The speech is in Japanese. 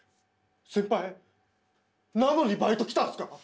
先輩なのにバイト来たんすか？